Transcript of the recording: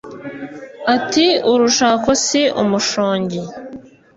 ati " urushako si umushongi "